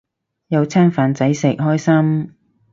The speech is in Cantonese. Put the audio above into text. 有餐飯仔食，開心